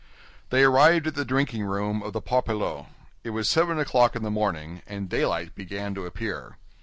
They arrived at the drinking room of the Parpaillot. It was seven o'clock in the morning, and daylight began to appear.